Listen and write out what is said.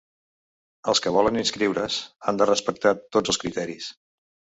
Els que volen inscriure’s han de respectar tots els criteris.